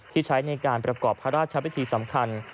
ใช้ในการประกอบพระราชพิธีสำคัญ